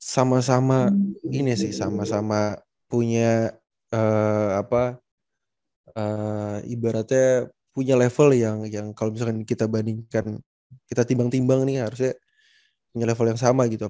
sama sama ini sih sama sama punya ibaratnya punya level yang kalau misalkan kita bandingkan kita timbang timbang nih harusnya punya level yang sama gitu